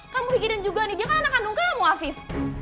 kamu gigi dan juga nih dia kan anak kandung kamu afif